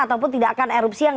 ataupun tidak akan erupsi